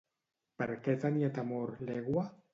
Per què tenia temor l'egua?